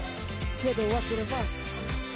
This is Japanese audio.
けど忘れます！